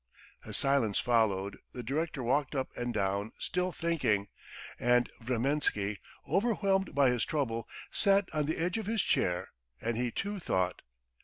A silence followed; the director walked up and down, still thinking, and Vremensky, overwhelmed by his trouble, sat on the edge of his chair, and he, too, thought.